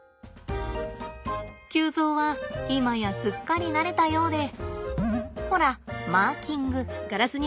臼三は今やすっかり慣れたようでほらマーキング。